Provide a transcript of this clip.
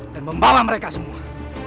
dan membawa mereka semua